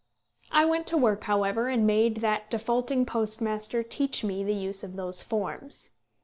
I went to work, however, and made that defaulting postmaster teach me the use of those forms.